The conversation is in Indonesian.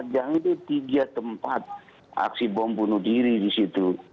dua puluh empat jam ini tiga tempat aksi bom bunuh diri di situ